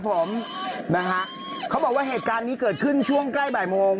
ผมนะฮะเขาบอกว่าเหตุการณ์นี้เกิดขึ้นช่วงใกล้บ่ายโมง